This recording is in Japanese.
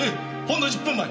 ほんの１０分前。